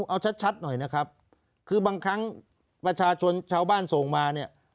เอาชัดหน่อยนะครับคือบางครั้งประชาชนชาวบ้านส่งมาเนี่ย